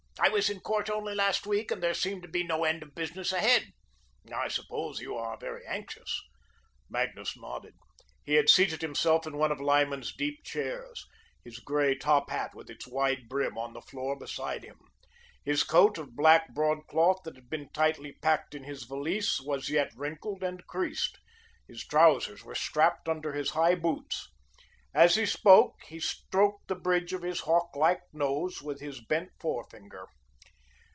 I was in court only last week and there seemed to be no end of business ahead. I suppose you are very anxious?" Magnus nodded. He had seated himself in one of Lyman's deep chairs, his grey top hat, with its wide brim, on the floor beside him. His coat of black broad cloth that had been tightly packed in his valise, was yet wrinkled and creased; his trousers were strapped under his high boots. As he spoke, he stroked the bridge of his hawklike nose with his bent forefinger.